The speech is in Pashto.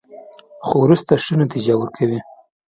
خو وروسته ښه نتیجه ورکوي.